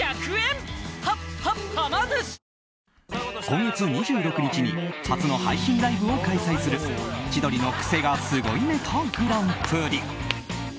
今月２６日に初の配信ライブを開催する「千鳥のクセがスゴいネタＧＰ」。